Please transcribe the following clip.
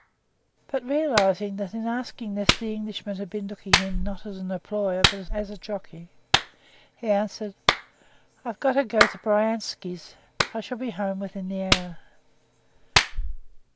But realizing that in asking this the Englishman had been looking at him not as an employer, but as a jockey, he answered: "I've got to go to Bryansky's; I shall be home within an hour."